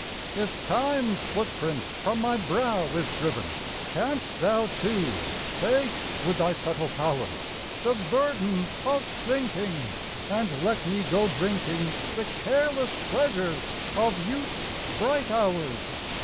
If Time's foot print from my brow is driven, Canst thou, too, take with thy subtle powers The burden of thinking, and let me go drinking The careless pleasures of youth's bright hours?